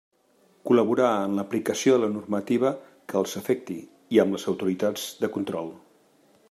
Col·laborar en l'aplicació de la normativa que els afecti i amb les autoritats de control.